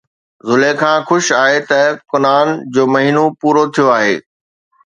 زليخا خوش آهي ته ڪنعان جو مهينو پورو ٿيو آهي